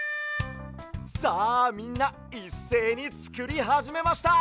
さあみんないっせいにつくりはじめました！